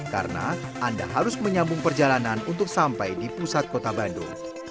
karena anda harus menyambung perjalanan untuk sampai di pusat kota bandung